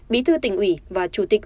bí thư tỉnh ủy và chủ tịch